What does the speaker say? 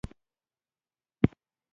چې ته یې کرې .